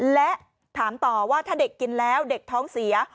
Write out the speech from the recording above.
และถามต่อว่าถ้าเด็กกินแล้วเด็กท้องเสีย